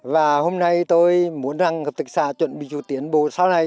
chúng tôi muốn rằng hợp tác xã chuẩn bị chủ tiến bộ sau này